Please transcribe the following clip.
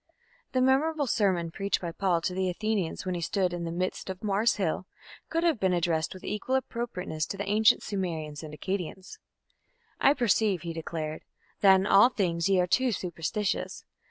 The memorable sermon preached by Paul to the Athenians when he stood "in the midst of Mars' hill", could have been addressed with equal appropriateness to the ancient Sumerians and Akkadians. "I perceive", he declared, "that in all things ye are too superstitious....